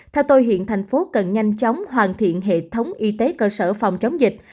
theo tôi hiện thành phố cần nhanh chóng hoàn thiện hệ thống y tế cơ sở phòng chống dịch